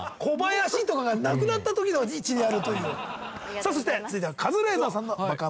さあそして続いてはカズレーザーさんのＢＡＫＡ